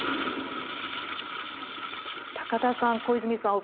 高田さん小泉さん